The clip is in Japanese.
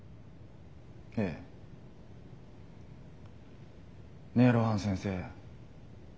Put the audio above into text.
ええ。ねえ露伴先生。